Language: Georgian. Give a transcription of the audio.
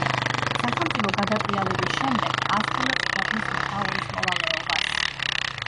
სახელმწიფო გადატრიალების შემდეგ ასრულებს ქვეყნის მეთაურის მოვალეობას.